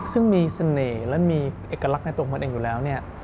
ซึ่งมีเสน่ห์และมีเอกลักษณ์ในตัวของมันเองอยู่แล้วเนี่ย